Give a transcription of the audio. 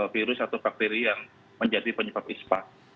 virus atau bakteri yang menjadi penyebab ispa